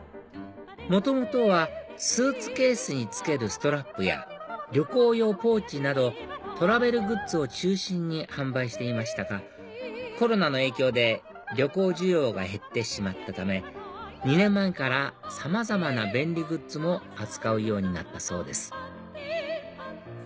元々はスーツケースに付けるストラップや旅行用ポーチなどトラベルグッズを中心に販売していましたがコロナの影響で旅行需要が減ってしまったため２年前からさまざまな便利グッズも扱うようになったそうです